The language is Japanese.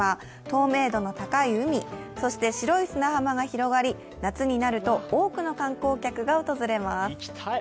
透明度の高い海、そして白い砂浜が広がり夏になると多くの観光客が訪れます。